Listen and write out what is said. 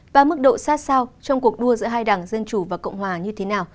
và mức độ sát sao trong cuộc đua giữa hai đảng dân chủ và cộng hòa như thế nào